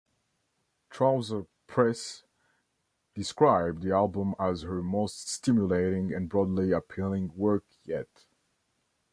"Trouser Press" described the album as "her most stimulating and broadly appealing work yet.